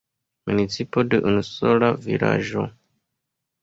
Municipo de unu sola vilaĝo.